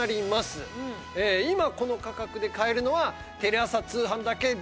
今この価格で買えるのはテレ朝通販だけです。